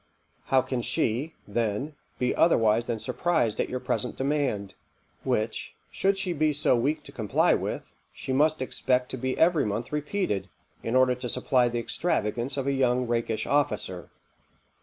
How can she, then, be otherwise than surprized at your present demand? which, should she be so weak to comply with, she must expect to be every month repeated, in order to supply the extravagance of a young rakish officer.